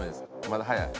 まだ早い？